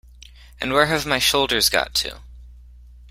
And where have my shoulders got to?